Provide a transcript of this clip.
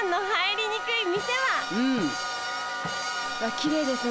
きれいですね